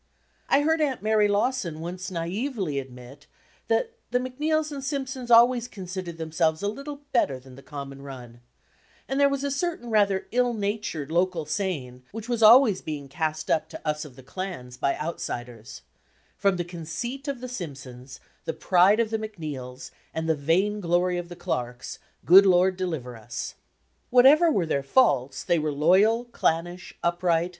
I heard Aunt Mary Lawson once naively admit that "the Macneills and Simpsons always considered themselves a little better than the common run; " and there was a certain rather ill natured local saying which was always being cast up to us of the clans by outsiders, "From the conceit of the Simpsons, the pride of the Macneills, and the vain glory of the Clarks, good Lord deliver us." Whatever were their faults, they were loyal, clannish, upright.